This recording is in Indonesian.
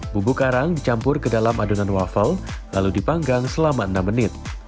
bumbu karang dicampur ke dalam adonan waffle lalu dipanggang selama enam menit